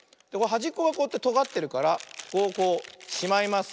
はじっこがこうやってとがってるからここをこうしまいます。